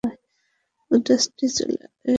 উষ্ট্রটি চলতে লাগল।